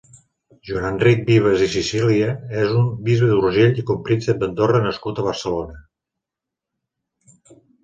Joan-Enric Vives i Sicília és un bisbe d'Urgell i copríncep d'Andorra nascut a Barcelona.